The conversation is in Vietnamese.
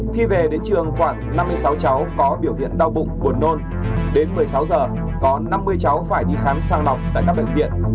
khi về đến trường khoảng năm mươi sáu cháu có biểu hiện đau bụng buồn nôn đến một mươi sáu giờ có năm mươi cháu phải đi khám sàng lọc tại các bệnh viện